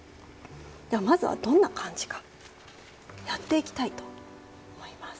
まずはどんな感じかやっていきたいと思います。